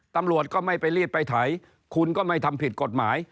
ตำรวจก็ไม่ไปรีดไปไถคุณก็ไม่ทำผิดกฎหมาย